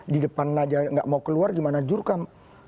di depan saja tidak mau keluar gimana jurkam